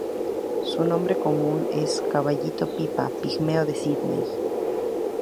Su nombre común es caballito-pipa pigmeo de Sídney.